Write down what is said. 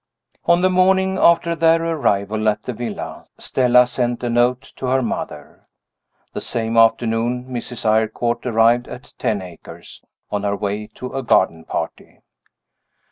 On the morning after their arrival at the villa, Stella sent a note to her mother. The same afternoon, Mrs. Eyrecourt arrived at Ten Acres on her way to a garden party.